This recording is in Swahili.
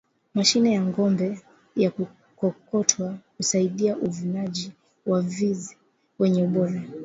mashine ya ngOmbe ya kukokotwa husaidia uvunaji wa vzi wenye ubora